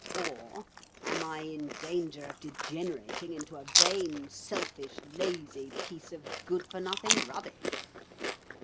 Or am I in danger of degenerating into a vain, selfish, lazy piece of good for nothing rubbish?